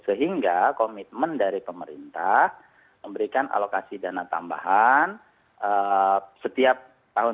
sehingga komitmen dari pemerintah memberikan alokasi dana tambahan setiap tahun